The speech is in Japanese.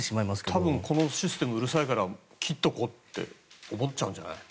多分このシステムうるさいから切っておこうって思っちゃうんじゃないの？